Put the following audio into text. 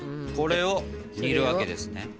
これを煮るわけですね？